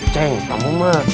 ceng kamu mah